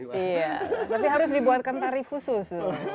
tapi harus dibuatkan tarif khusus